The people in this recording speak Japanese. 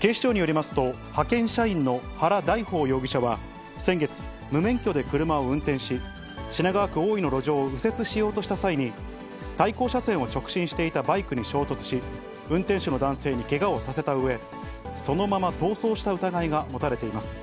警視庁によりますと、派遣社員の原大豊容疑者は、先月、無免許で車を運転し、品川区大井の路上を右折しようとした際に対向車線を直進していたバイクに衝突し、運転手の男性にけがをさせたうえ、そのまま逃走した疑いが持たれています。